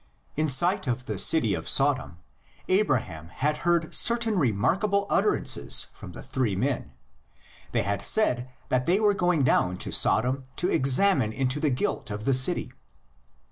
In sight of the city of Sodom Abraham had heard certain remarkable utterances from the three men; they had said that they were going down to Sodom to examine into the guilt of the city.